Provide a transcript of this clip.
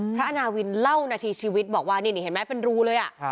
อาณาวินเล่านาทีชีวิตบอกว่านี่เห็นไหมเป็นรูเลย